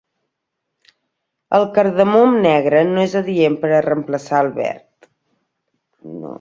El cardamom negre no és adient per a reemplaçar al verd.